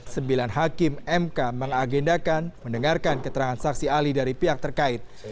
sembilan hakim mk mengagendakan mendengarkan keterangan saksi ahli dari pihak terkait